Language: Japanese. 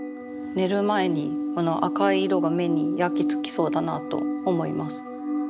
寝る前にこの赤い色が目に焼き付きそうだなと思います。